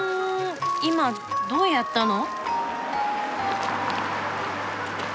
今どうやったの？